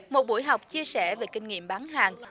một buổi học chia sẻ về kinh nghiệm bán hàng